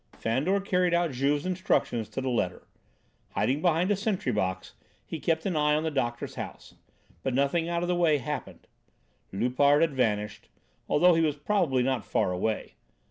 Fandor carried out Juve's instructions to the letter. Hiding behind a sentry box he kept an eye on the doctor's house, but nothing out of the way happened. Loupart had vanished, although he was probably not far away.